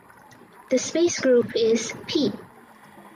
The space group is "P".